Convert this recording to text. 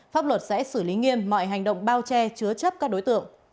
pháp luật sẽ xử lý nghiêm mọi hành động bao che chứa chấp các đối tượng